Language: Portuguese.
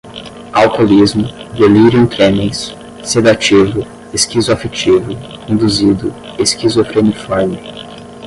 alcoolismo, delirium tremens, sedativo, esquizoafetivo, induzido, esquizofreniforme